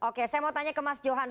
oke saya mau tanya ke mas johan